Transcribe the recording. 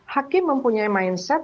hakim mempunyai mindset